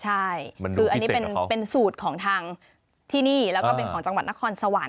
ใช่คืออันนี้เป็นสูตรของทางที่นี่และจังหวัดนครสวรรค์